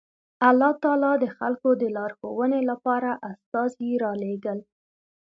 الله تعالی د خلکو د لارښوونې لپاره استازي رالېږل